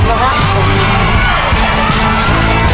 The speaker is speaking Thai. ทำไมอยากถึงละก่อน